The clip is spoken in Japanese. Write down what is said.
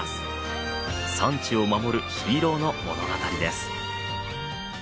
産地を守るヒーローの物語です。